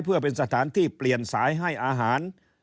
เพื่อเป็นสถานที่เปลี่ยนสายให้อาหาร